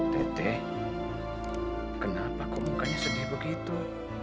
tete kenapa kok mukanya sedih begitu